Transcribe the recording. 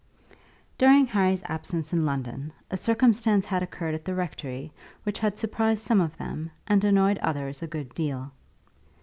During Harry's absence in London, a circumstance had occurred at the rectory which had surprised some of them and annoyed others a good deal.